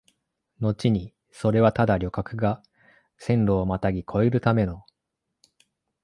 のちにそれはただ旅客が線路をまたぎ越えるための、